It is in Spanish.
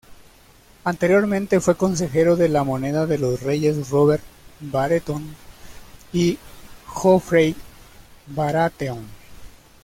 Anteriormente fue Consejero de la Moneda de los reyes Robert Baratheon y Joffrey Baratheon.